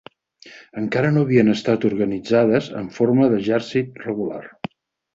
Encara no havien estat organitzades en forma d'exèrcit regular.